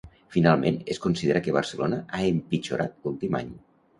Finalment, es considera que Barcelona ha empitjorat l'últim any.